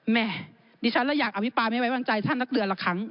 แม่ดิฉันและอยากอภิปรายไม่ไว้วางใจท่านนักเดือนละครั้ง